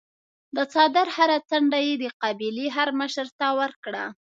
د څادر هره څنډه یې د قبیلې هرمشر ته ورکړه.